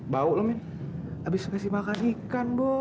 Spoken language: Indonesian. bau lo men abis kasih makanan ikan bos